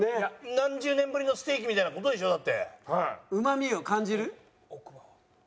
何十年ぶりのステーキみたいな事でしょ？だって。